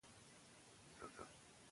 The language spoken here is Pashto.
لوستې نجونې د ټولنې د باور فضا پياوړې کوي.